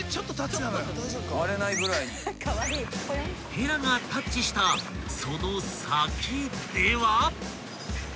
［ヘラがタッチしたその先では］